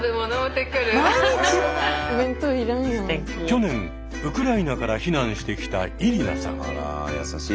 去年ウクライナから避難してきたイリナさん。